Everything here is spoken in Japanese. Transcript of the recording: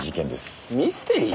ミステリー？